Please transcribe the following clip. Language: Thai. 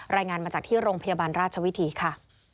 รายงานมาจากที่โรงพยาบาลราชวิถีค่ะ